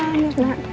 ya amu tante